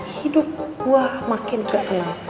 hidup gue makin gak tenang